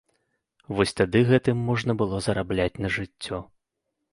Вось, тады гэтым можна было зарабляць на жыццё.